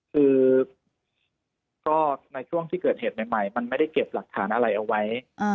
คือก็ในช่วงที่เกิดเหตุใหม่มันไม่ได้เก็บหลักฐานอะไรเอาไว้